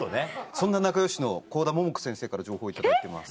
そんな仲よしの幸田もも子先生から情報を頂いてます。